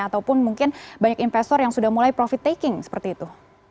ataupun mungkin banyak investor yang sudah mulai profit taking seperti itu